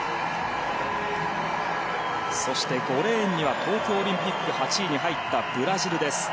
そして５レーンには東京オリンピック８位に入ったブラジルです。